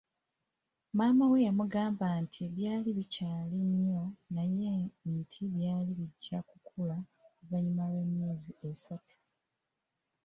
Maama we yamugamba nti byali bikyali nnyo naye nti byali bijja kukula oluvanyuma lw’emyezi ng’esatu.